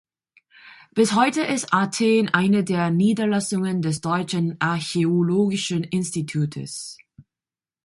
Bis heute ist Athen eine der Niederlassungen des Deutschen Archäologischen Institutes.